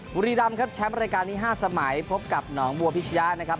บุรีรำครับแชมป์รายการนี้๕สมัยพบกับหนองบัวพิชยะนะครับ